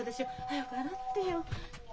早く洗ってよ。